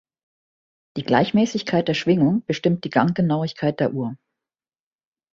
Die Gleichmäßigkeit der Schwingung bestimmt die Ganggenauigkeit der Uhr.